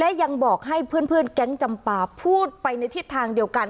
และยังบอกให้เพื่อนแก๊งจำปาพูดไปในทิศทางเดียวกัน